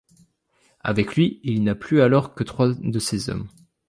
Avec lui, il n'a plus alors que trois de ses hommes.